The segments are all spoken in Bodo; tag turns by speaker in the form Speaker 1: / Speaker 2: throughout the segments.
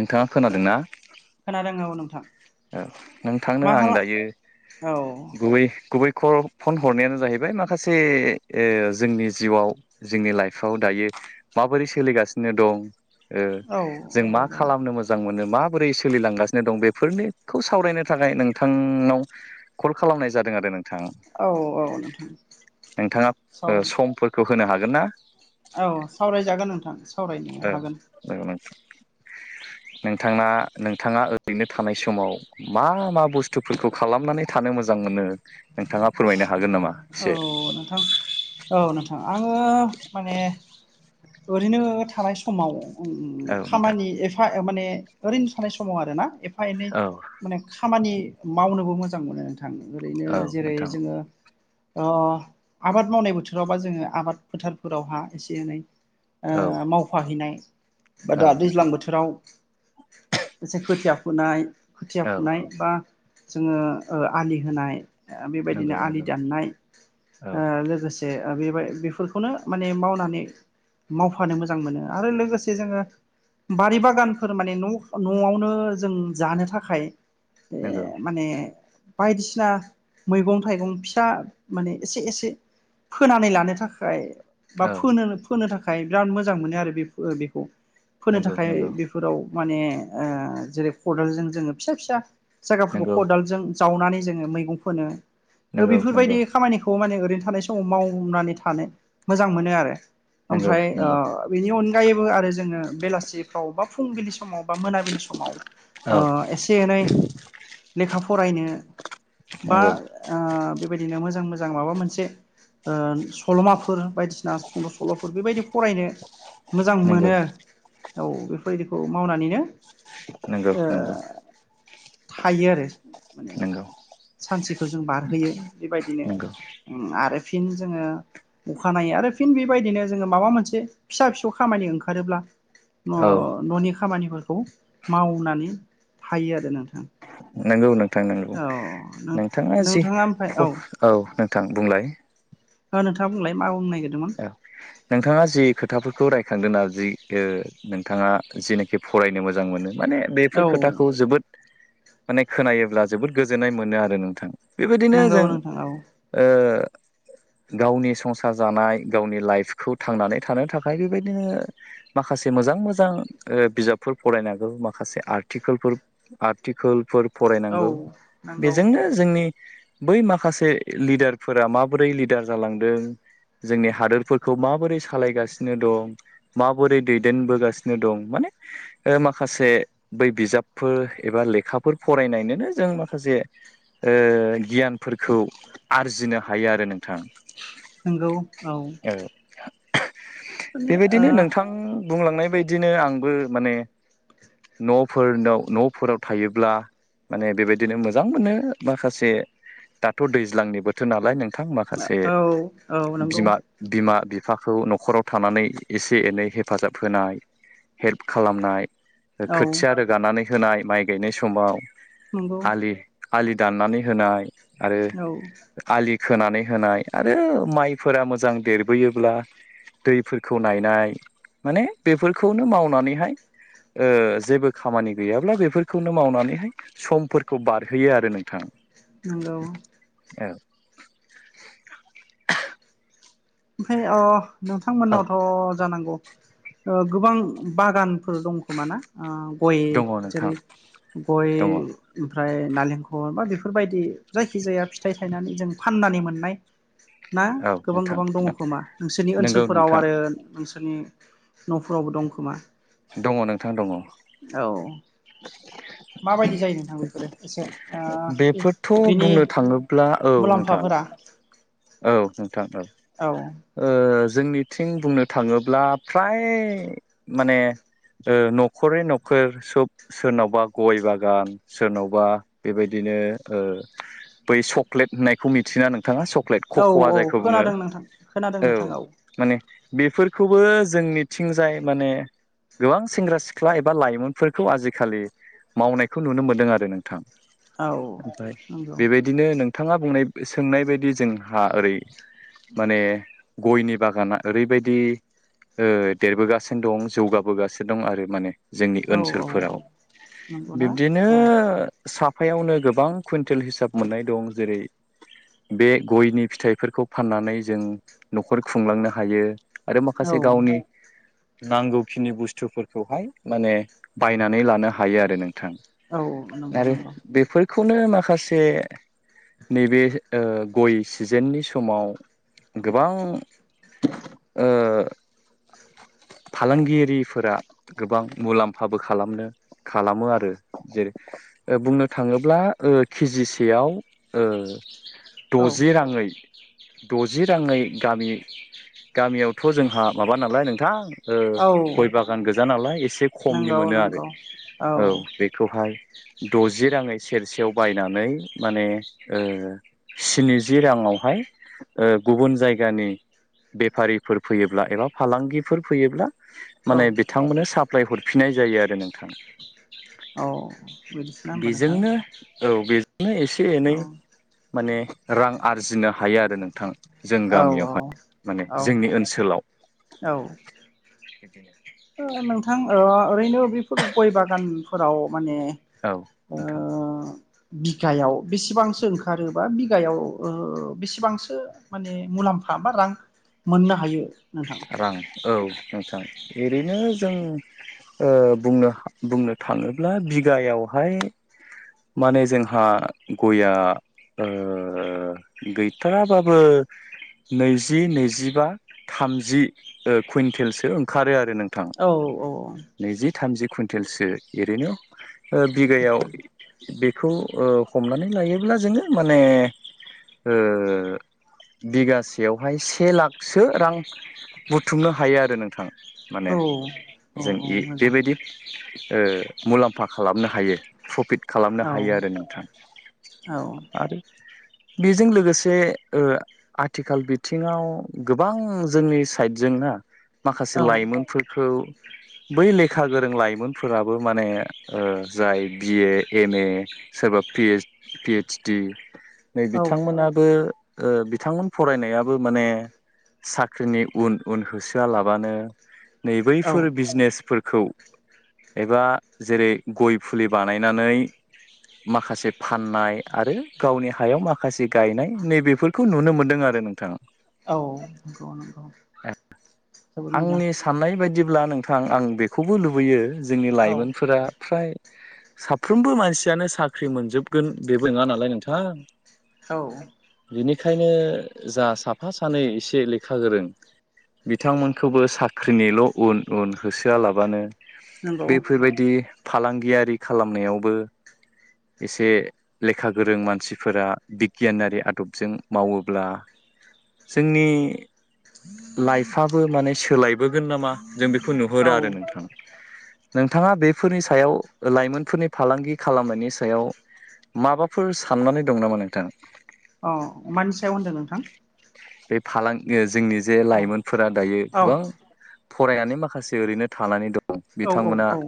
Speaker 1: नोंथाङा खोनादोंना
Speaker 2: खोनादोंङो औ नोंथां
Speaker 1: औ नोंथांनो
Speaker 2: मा
Speaker 1: आं
Speaker 2: खालाम
Speaker 1: दायो
Speaker 2: औ
Speaker 1: गुबै गुबै फन हरनायानो जाहैबाय माखासे जोंनि जिउआव जोंनि लाइफआव दायो माबोरै सोलिगासिनो दं
Speaker 2: औ
Speaker 1: जों मा
Speaker 2: नंगौ
Speaker 1: खालामनो मोजां मोनो माबोरै सोलिलांगासिनो दं बेफोरनि खौ सावरायनो थाखाय नोंथांनाव कल खालामनाय जादों आरो नों थां
Speaker 2: औ औ नोंथां
Speaker 1: नोंथाङा
Speaker 2: सावराय
Speaker 1: समफोरखौ होनो हागोन ना?
Speaker 2: औ सावरायजागोन नोंथां सावरायनो
Speaker 1: औ
Speaker 2: हागोन
Speaker 1: नोंथां नोंथाङा नोंथाङा ओरैनो थानाय समाव मा मा बुस्थुफोरखौ खालामनानै थानो मोजां मोनो नोंथाङा फोरमायनो हागोन नामा
Speaker 2: औ
Speaker 1: एसे
Speaker 2: नोंथां औ नोंथां आङो माने। ओरैनो थानाय समाव
Speaker 1: औ नोंथां
Speaker 2: खामानि एफा माने ओरैनो थानाय समाव आरोना एफा एनै
Speaker 1: औ
Speaker 2: माने खामानि मावनोबो मोजां मोनो नोंथां ओरैनो
Speaker 1: औ
Speaker 2: जेरै
Speaker 1: नोंथां
Speaker 2: जोङो। आबाद मावनाय बोथोरावबा जोङो आबाद फोथारफोरावहा एसे एनै
Speaker 1: औ
Speaker 2: मावफाहैनाय बा
Speaker 1: औ
Speaker 2: दा दैज्लां
Speaker 1: नोंथां
Speaker 2: बोथोराव एसे खोथिया फुनाय खोथिया
Speaker 1: औ औ
Speaker 2: फुनाय बा जोङो ओ आलि खोनाय। ओ बेबायदिनो
Speaker 1: नंगौ
Speaker 2: आलि
Speaker 1: नंगौ
Speaker 2: दाननाय
Speaker 1: औ
Speaker 2: लोगोसे। बेबाय बेफोरखौनो माने मावनानै मावफानो मोजां मोनो आरो लोगोसे जोङो बारि बागानफोर माने न' न'आवनो जों जानो थाखाय
Speaker 1: नंगौ
Speaker 2: बे माने बायदिसिना मैगं थाइगं फिसा। माने एसे एसे फोनानै लानो थाखाय बा
Speaker 1: औ
Speaker 2: फोनो फोनो थाखा खाय बिराद मोजां मोनो आरो बे बेखौ फोनो
Speaker 1: नंगौ
Speaker 2: थाखाय
Speaker 1: नंगौ
Speaker 2: बेफोराव। माने ओ जेरै खदालजों जोङो फिसा फिसा जायगाफोरखौ
Speaker 1: नंगौ
Speaker 2: खदालजों। जावनानै जोङो मैगं फोनो
Speaker 1: नंगौ नंगौ।
Speaker 2: थ माने ओरैनो थानाय समाव मावनानै थानो मोजां मोनो आरो।
Speaker 1: नंगौ
Speaker 2: ओमफ्राय ओ
Speaker 1: नंगौ
Speaker 2: बेनि अनगायैबो आरो जोङो बेलासिफ्राव बा फुंबिलि समाव बा मोनाबिलि। समाव
Speaker 1: औ
Speaker 2: ओ से एनै लेखा फ फरायनो बा
Speaker 1: नंगौ
Speaker 2: ओ बेबायदिनो मोजां मोजां माबा मोनसे। ओ सल'माफोर बायदिसिना सुंद' सल'फोर बेबायदि फरायनो। मोजां
Speaker 1: नंगौ
Speaker 2: मोनो औ बेफोरबायदिखौ मावनानैनो
Speaker 1: नंगौ
Speaker 2: ओ
Speaker 1: नंगौ।
Speaker 2: थायो आरो माने
Speaker 1: नंगौ
Speaker 2: सानसेखौ जों बारहोयो बेबायदिनो
Speaker 1: नंगौ
Speaker 2: उम आरो फिन जोङो। अखानायै आरो फिन बेबायदिनो जोङो माबा मोनसे फिसा फिसौ खामानि ओंखारोब्ला। अ
Speaker 1: औ
Speaker 2: न'नि खामानिफोरखौ मावनानै थायो आरो नोंथां।
Speaker 1: नंगौ नोंथां नंगौ
Speaker 2: औ
Speaker 1: नोंथाङा जि। औ नोंथां बुंलाय।
Speaker 2: ओ नोंथां बुंलाय मा बुंनाय।
Speaker 1: औ नोंथाङा जि खोथा खौ रायखांदों ना जि ओ नोंथाङा जेनाखि फरायनो मोजां मोनो। माने
Speaker 2: औ
Speaker 1: बेफोर खोथाखौ जोबोद माने खोनायोब्ला जोबोद गोजोननाय मोनो आरो नोंथां। बेबायदिनो
Speaker 2: नंगौ
Speaker 1: जों
Speaker 2: नोंथां औ
Speaker 1: ओ गावनि संसार जानाय। गावनि लाइफखौ थांनानै थानो थाखाय बेबायदिनो माखासे मोजां मोजां ओ बिजाब। फोर फरायनाबो माखासे आरकोलफोल आरटिकोल फोर
Speaker 2: औ
Speaker 1: फरायनांगौ
Speaker 2: नंगौ
Speaker 1: बेजोंनो जोंनि। बै माखासे लिडारफोरा माबोरै लिडार जालांदों। जोंनि हादोरफोरखौ माबोरै सालायगासिनो दं माबोरै दैदेनबोगासिनो दं माने ओ माखासे बै बिजाबफोर एबा लेखाफोर फरायनायनोनो जों माखासे। ओ गियानफोरखौ आरजिनो हायो आरो नोंथां।
Speaker 2: नोंगौ औ। माने ओ
Speaker 1: बेबायदिनो नोंथां बुंलांनाय बायदिनो आंबो माने। न'फोरनाव न'फोराव थायोब्ला। माने बेबायदिनो मोजां मोनो माखासे दाथ' दैज्लांनि बोथोर नालाय। नोंथां माखासे
Speaker 2: औ औ नंगौ
Speaker 1: बिमा-बिमा बिफाखौ न'खराव थानानै एसे एनै हेफाजाब होनाय हेल्प खालामनाय।
Speaker 2: औ
Speaker 1: खोथिया रोगानानै होनाय माइ गायनाय समाव
Speaker 2: नंगौ
Speaker 1: आलि आलि दाननानै होनाय आरो
Speaker 2: औ
Speaker 1: आलि खोनानै होनाय आरो माइ फोर मोजां देरबोयोब्ला दैफोरखौ नायनाय माने बेफोरखौनो मावनानैहाय ओ जेबो खामानि गैयाब्ला बेफोरखौनो मावनानैहाय समफोरखौ बारहोयो आरो नोंथां
Speaker 2: हेलौ
Speaker 1: औ
Speaker 2: ओमफ्राय अ
Speaker 1: औ
Speaker 2: नोंथांमोननावथ' जानांगौ ओ गोबां बागान फोर दं खोमा ना गय
Speaker 1: दङ नोंथां
Speaker 2: जेरै गय
Speaker 1: दङ औ
Speaker 2: ओमफ्राय नालेंखलरा बेफोर बेफोरबायदि जायखि जाया फिथाइ थायनानै जों फाननानै मोननाय ना गोबां गोबां
Speaker 1: नोंथां
Speaker 2: दङ खोमा नोंसोरनि
Speaker 1: नंगौ
Speaker 2: ओनसोलफोराव
Speaker 1: नोंथां
Speaker 2: आरो नोंसोरनि न'फोरावबो दं खोमा
Speaker 1: दङ नोंथां दङ
Speaker 2: औ माबायदि जायो नोंथां बेफोरो एसे
Speaker 1: [unintelligible]
Speaker 2: ओ
Speaker 1: बेफोरथ'
Speaker 2: बिनि
Speaker 1: बुंनो थाङोब्ला औ नोंथां
Speaker 2: मुलाम्फाफोरा
Speaker 1: औ नोंथां औ ओ जोंनिथिं बुंनो थाङोब्ला फ्राय माने ओ न'खरै न'खर सब सोरनावबा गय बागान सोरनावबा बेबायदि ए ओ बै सक्लेट होननायखौ मिथिना नोंथाङा
Speaker 2: औ
Speaker 1: खख'वा
Speaker 2: औ
Speaker 1: जायखौ बुङो
Speaker 2: खोनादों नोंथां खोनादों
Speaker 1: औ
Speaker 2: नोंथां
Speaker 1: माने बेफोरखौबो जोंनिथिंजाय माने गोबां सेंग्रा सिख्ला एबा लाइमोनफोरखौ आजिखालि मावनायखौ नुनो मोनदों आरो नोंथां
Speaker 2: औ
Speaker 1: ओमफ्राय
Speaker 2: नंगौ
Speaker 1: बेबायदिनो नों थाङा बुंनाय सोंनाय बायदि जोंहा ओरै माने गयनि बागाना ओरैबायदि ओ देरबोगासिनो दं जौगाबोगासिनो दं आरो माने जोंनि
Speaker 2: औ औ
Speaker 1: ओनसोलफोराव
Speaker 2: नंगौना
Speaker 1: बिबदि
Speaker 2: औ
Speaker 1: साफ आफायावनो गोबां कुइन्टेल हिसाब मोननाय दं जेरै बे गयनि फिथाइफोरखौ फाननानै जों न'खर खुंलांनो हायो आरो
Speaker 2: औ
Speaker 1: माखासे गावनि नांगौखिनि बुसथुफोरखौहाय माने बायनानै लानो हायो आरो नों थां
Speaker 2: औ नंगौ
Speaker 1: आरो
Speaker 2: नंगौ
Speaker 1: बेफोरखौनो माखासे खासे नैबे गय सिजेननि समाव गोबां ओ फालांगियफोरा गोबां मुलामफाबो खालामनो खालामो आरो जेरै बुंनो थाङोब्ला ओ केजिसेयाव ओ
Speaker 2: औ
Speaker 1: द'जि राङै द'जि राङै गामि गामियावथ' जोंहा माबा नालाय नोंथां ओ
Speaker 2: औ
Speaker 1: गय बागान गोजा नालाय एसे खमनि
Speaker 2: नंगौ
Speaker 1: मोनो आरो
Speaker 2: नंगौ
Speaker 1: औ बेखौहाय द'जि राङै सेरसेयाव बायनानै माने स्निजि राङावहाय ओ गुबुन जायगानि बेफारिफोर फैयोब्ला एबा फालांगिफोर फैयोब्ला
Speaker 2: औ
Speaker 1: माने बिथांमोननो साप्लाय हरफिननाय जायो आरो नोंथां
Speaker 2: औ बिदिसोना होमबा नोंथां
Speaker 1: बेजोंनो औ बेजोंनो एसे एनै
Speaker 2: औ
Speaker 1: माने रां आरजिनो हायो आरो नोंथां जों
Speaker 2: औ औ
Speaker 1: गामियावहाय माने
Speaker 2: औ
Speaker 1: जोंनि ओनसोलावद
Speaker 2: ओ नोंथां ओ ओरैनो बेफोर गय बागानफोराव माने
Speaker 1: औ
Speaker 2: ओ
Speaker 1: नोंथां
Speaker 2: बिगायाव बेसेबांसो ओंखारोबा बिगायाव ओ बेसेबांसो माने मुलामफा बा रां मोननो हायो नोंथां
Speaker 1: रां औ नोंथां ओरैनो जों ओ बुंनो बुंनो थाङोब्ला बिगायावहाय माने जोंहा गया ओ गैथाराबाबो नैजि नैजि बा थामजि कुइन्टेलसो ओंखारो आरो नोंथां
Speaker 2: औ औ
Speaker 1: नैजि थामजि कुइन्टेलसो एरैनो ओ बिगायाव बे खौ ओ हमनानै नायोब्ला जोङो माने ओ बिगासेयावहाय से लाखसो रां बुथुमनो हायो आरो नोंथां माने
Speaker 2: औ औ
Speaker 1: जों
Speaker 2: औ
Speaker 1: इ
Speaker 2: मोजां
Speaker 1: बेबायदि ओ मुलाम्फा खालामनो हायो प्रफिट खालामनो
Speaker 2: औ
Speaker 1: हायो आरो नोंथां
Speaker 2: औ
Speaker 1: आरो बेजों लोगोसे ओ आथिखाल बिथिङाव गोबां जोंनि साइडजों ना माखासे लाइमोनफोरखौ बै लेखा गोरों लाइमोनफोराबो माने ओ जाय बि ए एम ए सोरबा पि ओस पि ओइस दि नै
Speaker 2: औ
Speaker 1: बिथांमोनाबो ओ बिथांमोन फरायनायाबो माने साख्रिनि उन उन होसोआलाबानो नै
Speaker 2: औ
Speaker 1: बैफोर बिजनेसफोर खौ एबा जेरै गय फुलि बानायनानै माखासे फाननाय आरो गावनि हायाव माखासे गायनाय नैबेफोरखौ नुनो मोनदों आरो नोंथां
Speaker 2: नंगौ नंगौ जोबोद मोजां
Speaker 1: आंनि साननाय बायदिब्ला नोंथां आं बेखौबो लुबैयो जोंनि
Speaker 2: औ
Speaker 1: लाइमोनफोरा फ्राय साफ्रोमबो मानसियानो साख्रि मोनजोबगोन बेबो नोङा नालाय नोंथां
Speaker 2: औ
Speaker 1: बेखायनो जा साफा सानै एसे लेखा गोरों बिथांमोन खौबो साख्रिनिल' उन उन होसोआलाबानो
Speaker 2: नंगौ
Speaker 1: बेफोरबायदि फालांगियारि खालामनायावबो एसे लेखा गोरों मानसिफोरा बिगियानारि आदबजों मावोब्ला जोंनि लाइफआ बो माने सोलायबोगोन नामा जों बेखौ नुहरो
Speaker 2: औ
Speaker 1: आरो नोंथां नोंथाङा बेफोरनि सायाव लाइमोनफोरनि फालांगि खालामनायनि सायाव माबाफोर साननानै दं नामा नोंथां
Speaker 2: अ मानि सायाव होनदों नोंथां
Speaker 1: बे फालां जोंनि जे
Speaker 2: औ
Speaker 1: लाइमोनफोरा दायो
Speaker 2: औ
Speaker 1: गोबां फरायनानै माखासे ओरैनो थानानै दं
Speaker 2: औ औ
Speaker 1: बिथांमोना
Speaker 2: औ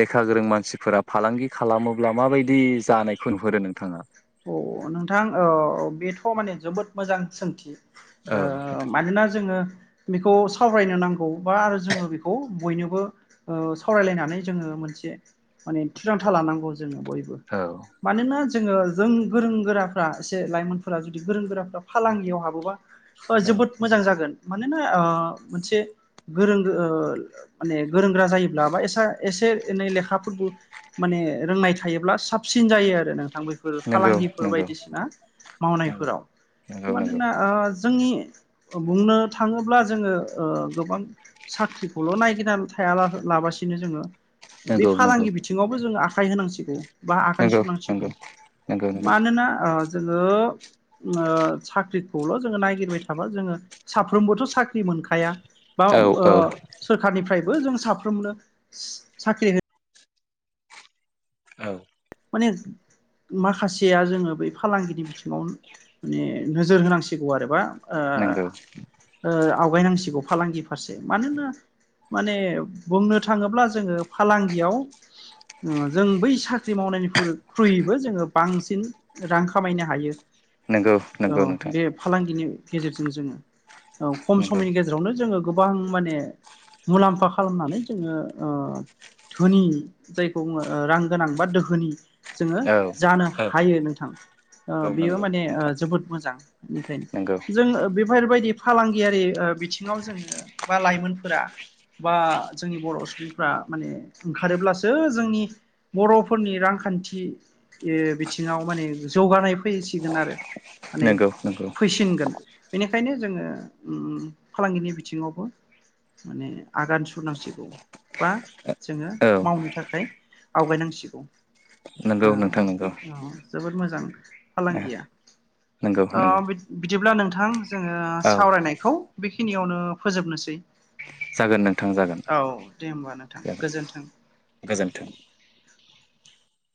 Speaker 1: ले खा गोरों मानसिफोरा फालांगि खालामोब्ला माबायदि जानायखौ नुहरो नोंथाङा
Speaker 2: औ नोंथां अ बेथ' माने जोबोद मोजां सोंथि
Speaker 1: औ
Speaker 2: ओ मानोना जोङो बेखौ सावरायनो नांगौ बा आरो जोङो बेखौ बयनोबो ओ सावरायलायनानै जोङो मोनसे माने थिरांथा लानांगौ जों बयबो
Speaker 1: औ
Speaker 2: मानोना जोङो जों गोरों गोराफ्रा एसे लाइमोनफोरा जुदि गोरों गोराफ्रा फालांगियाव हाबोबा ओ जोबोद मोजां जागोन मानोना ओ मोनसे गोरों दो ओ माने गोरों गोरा जायोब्ला बा एसा एसे एनै लेखाफोरबो माने रोंनाय थायोब्ला साबसिन जायो आरो नोंथां बै फोर
Speaker 1: नंगौ
Speaker 2: फालांगिफोर
Speaker 1: नंगौ
Speaker 2: बायदिसिना
Speaker 1: नंगौ
Speaker 2: मावनायफोराव
Speaker 1: नंगौ नंगौ
Speaker 2: मानोना ओ जोंनि बुंनो थाङोब्ला जोङो ओ गोबां साख्रिखौल' नायगिरनान थायाला हो ला लाबासिनो जोङो बे
Speaker 1: नंगौ नंगौ
Speaker 2: फालांगि बिथिङावबो जोङो आखाय होनांसिगौ बा आगान
Speaker 1: नंगौ नंगौ
Speaker 2: सुरनांसिगौ
Speaker 1: नंगौ नंगौ
Speaker 2: मानोना ओ जोङो ओ साख्रि खौल' जोङो नायगिरबाय थाबा जोङो साफ्रोमबोथ' साख्रि मोनखाया बा
Speaker 1: औ
Speaker 2: ओ
Speaker 1: औ
Speaker 2: सोरखारनिफ्रायबो जों साफ्रोमनो सो साख्रि हो
Speaker 1: औ
Speaker 2: माने माखासेया जोङो बै फालांगिनि बिथिङाव माने नोजोर होनांसिगौ आरो बा ओ
Speaker 1: नोंगौ
Speaker 2: ओ आवगायनांसिगौ फालांगि फारसे मानो होनब्ला माने बुंनो थाङोब्ला जोङो फालांगियाव उम जों बै साख ख्रि मावनायनिखुरै ख्रुयबो जोङो बांसिन रां खामायनो हायो
Speaker 1: नंगौ
Speaker 2: औ
Speaker 1: नंगौ नोंथां
Speaker 2: बे फालांगिनि गेजेरजों जोङो ओ खम
Speaker 1: नंगौ
Speaker 2: समनि गेजेरावनो जोङो गोबां माने मुलाम्फा खालामनानै जोङो ओ धोनि जायखौ बुङो ओ रां गोनां बा धो नि जोङो
Speaker 1: औ
Speaker 2: जानो
Speaker 1: औ
Speaker 2: हायो नोंथां ओ
Speaker 1: नंगौ
Speaker 2: बियो
Speaker 1: नंगौ
Speaker 2: माने ओ
Speaker 1: नोंथां
Speaker 2: जोबोद मोजां
Speaker 1: नंगौ
Speaker 2: बेनिखायनो जों बेफोरबायदि फालांगियारि बिथिङाव जोङो बा लाइमोनफोरा बा जोंनि बर' सुबुंफ्रा माने ओंखारोब्लासो जोंनि बर' फोरनि रांखान्थि बिथिङाव माने जौगानाय फैसिगोन आरो माने
Speaker 1: नंगौ नंगौ
Speaker 2: फैसिनगोन बेनिखायनो जोङो ओम फालांगिनि बिथिङावबो माने आगान सुरनांसिगौ बा जोङो
Speaker 1: औ
Speaker 2: मावनो थाखाय आवगायनांसिगौ
Speaker 1: नंगौ नोंथां नंगौ
Speaker 2: औ जोबोद मोजां फालांगिया
Speaker 1: नंगौ
Speaker 2: ओ
Speaker 1: नंगौ
Speaker 2: बिदिब्ला नोंथां जोङो
Speaker 1: औ
Speaker 2: सावरायनायखौ बेखिनियावनो फोजोबनोसै
Speaker 1: जागोन नोंथां जागोन
Speaker 2: औ दे होमबा नोंथां
Speaker 1: जागोन
Speaker 2: गोजोनथों।
Speaker 1: गोजोन्थों